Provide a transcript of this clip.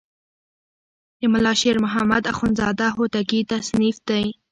د ملا شیر محمد اخوندزاده هوتکی تصنیف دی.